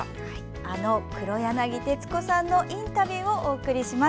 あの黒柳徹子さんのインタビューをお送りします。